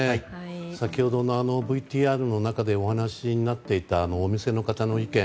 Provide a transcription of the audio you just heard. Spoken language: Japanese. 先ほどのＶＴＲの中でお話になっていたお店の方の意見